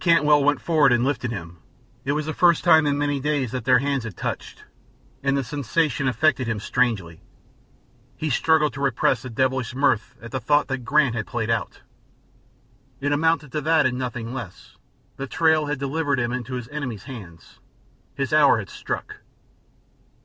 Cantwell went forward and lifted him. It was the first time in many days that their hands had touched, and the sensation affected him strangely. He struggled to repress a devilish mirth at the thought that Grant had played out it amounted to that and nothing less; the trail had delivered him into his enemy's hands, his hour had struck.